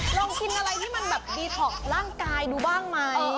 ลองกินอะไรที่มันแบบดีท็อกร่างกายดูบ้างไหม